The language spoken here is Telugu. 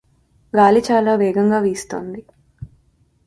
గాలి చాలా వేగంగా వీస్తోంది.